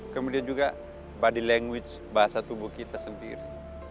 kemudian juga body language bahasa tubuh kita sendiri